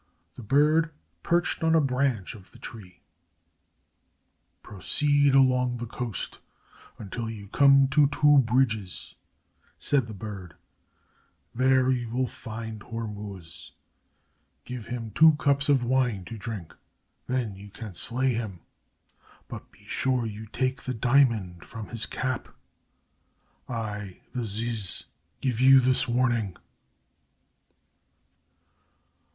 The bird perched on a branch of the tree. "Proceed along the coast until you come to two bridges," said the bird. "There you will find Hormuz. Give him two cups of wine to drink, then you can slay him. But be sure you take the diamond from his cap. I, the ziz, give you this warning."